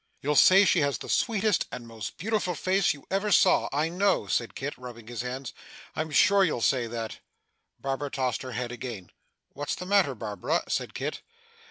'You'll say she has the sweetest and beautifullest face you ever saw, I know,' said Kit, rubbing his hands. 'I'm sure you'll say that.' Barbara tossed her head again. 'What's the matter, Barbara?' said Kit.